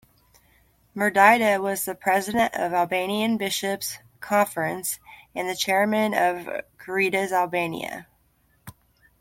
Mirdita was the President of Albanian Bishops Conference and the Chairman of "Caritas Albania".